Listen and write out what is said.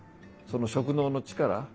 その職能の力